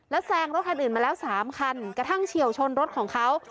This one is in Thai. แซงรถคันอื่นมาแล้ว๓คันกระทั่งเฉียวชนรถของเขา